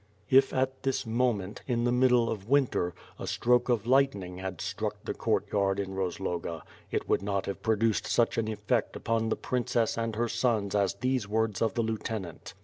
If at this moment, in the middle of winter, a stroke of lightning had struck the courtyard in Rozloga it would not have produced such an efFect upon the princess and her son^ as these words of the lieutenant.